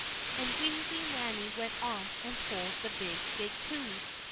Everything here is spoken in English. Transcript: And wee, wee Mannie went off and told the big, big coo.